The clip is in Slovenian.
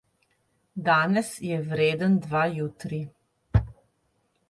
Danes je vreden dva jutri.